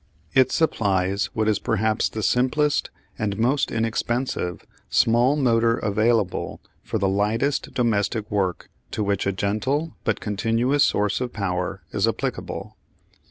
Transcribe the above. It supplies what is perhaps the simplest and most inexpensive small motor available for the lightest domestic work to which a gentle but continuous source of power is applicable.